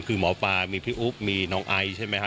คือหมอปลามีพี่อุ๊บมีน้องไอซ์ใช่ไหมฮ